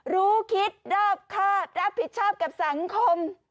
รู้คิดรอบคาดรับผิดชอบกับสังคม